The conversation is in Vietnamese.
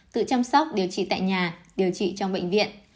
tự chăm sóc điều trị tại nhà điều trị trong bệnh viện